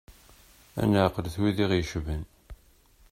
Ad neɛqlet wid i ɣ-yecqan.